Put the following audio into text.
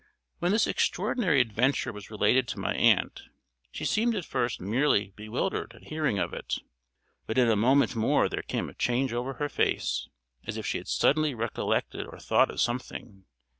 When this extraordinary adventure was related to my aunt, she seemed at first merely bewildered at hearing of it; but in a moment more there came a change over her face, as if she had suddenly recollected or thought of something.